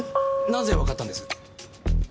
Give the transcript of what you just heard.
なぜわかったんです？